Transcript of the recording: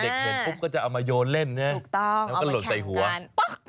อ่าพุะก็จะเอาไว้โยนเล่นเนี่ย